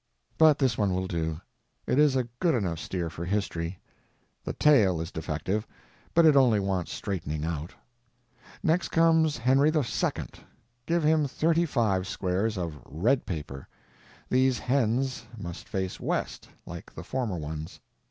But this one will do. It is a good enough steer for history. The tail is defective, but it only wants straightening out. Next comes Henry II. Give him thirty five squares of _red _paper. These hens must face west, like the former ones.